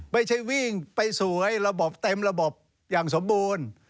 ไม่ใช่วิ่งไปสวยระบบเต็มระบบอย่างสมบูรณ์